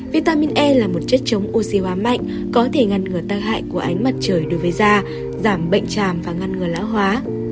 vitamin e là một chất chống oxy hóa mạnh có thể ngăn ngừa tai hại của ánh mặt trời đối với da giảm bệnh tràm và ngăn ngừa lão hóa